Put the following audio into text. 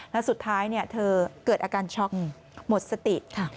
แล้วสุดท้ายเธอเกิดอาการช็อกหมดสติ